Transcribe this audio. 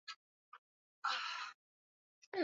Simiyu huwa hana msimamo